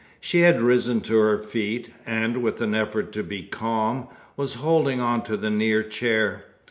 She had risen to her feet, and, with an effort to be calm, was holding on to the near chair.